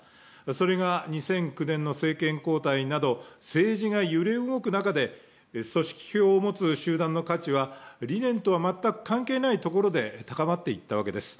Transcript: それが２００９年の政権交代など政治が揺れ動く中で組織票を持つ集団の価値は理念とは全く関係ないところで高まっていったわけです。